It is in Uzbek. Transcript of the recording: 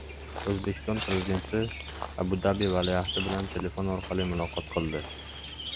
O‘zbekiston Prezidenti Abu-Dabi valiahdi bilan telefon orqali muloqot qildi